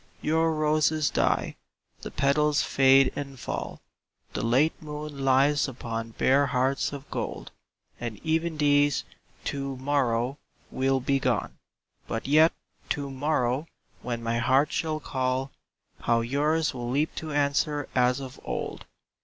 Your roses die — the petals fade and fall ; The late moon lies upon bare hearts of gold And even these, to morrow, will be gone; But yet, to morrow, when my heart shall call, How yours will leap to answer as of old!